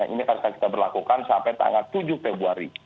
ini harus kita berlakukan sampai tanggal tujuh februari